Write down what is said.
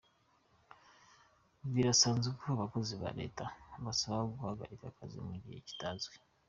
Birasanzwe ko abakozi ba Leta basaba guhagarika akazi mu gihe kitazwi.